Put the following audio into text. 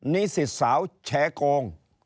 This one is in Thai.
นิสิตสาวแฉโกง